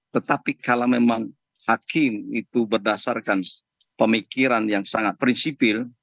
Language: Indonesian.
tetapi kalau memang hakim itu berdasarkan pemikiran yang sangat prinsipil